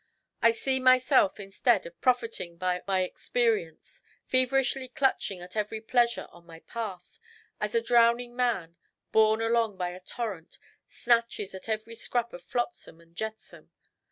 I see myself, instead of profiting by my experience, feverishly clutching at every pleasure on my path, as a drowning man, borne along by a torrent, snatches at every scrap of flotsam and jetsam.